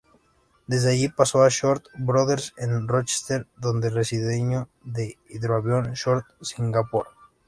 Desde allí, pasó a Short Brothers en Rochester, donde rediseñó el hidroavión Short Singapore.